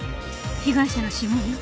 被害者の指紋よ。